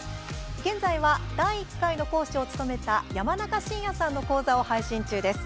現在は、第１回の講師を務めた山中伸弥さんの講座を配信中です。